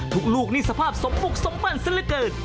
ทุกลูกนี่สภาพสมฝุกสมบันสิริเกิด